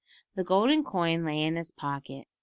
The golden coin lay in his pocket.